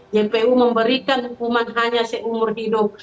jpu memberikan hukuman hanya seumur hidup